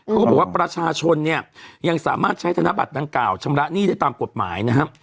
เขาบอกว่าประชาชนเนี่ยยังสามารถใช้ธนบัตรดังกล่าวชำระหนี้ได้ตามกฎหมายนะครับ